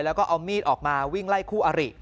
แล้วก็เอามีดออกมาวิ่งไล่คู่อริ